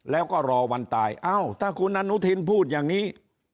แล้วก็รอวันตายเอ้าถ้าคุณอนุทินพูดอย่างนี้